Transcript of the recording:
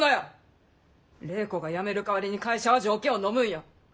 礼子がやめる代わりに会社は条件をのむんや。